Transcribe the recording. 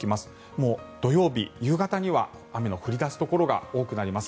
もう土曜日、夕方には雨の降り出すところが多くなります。